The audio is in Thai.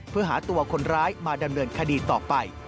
เพื่อหาตัวคนร้ายมาดำเนินคดีต่อไป